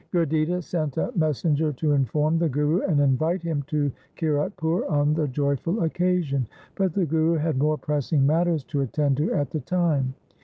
Gurditta sent a messenger to inform the Guru and invite him to Kiratpur on the joyful occasion ; but the Guru had more pressing matters to attend to at the time.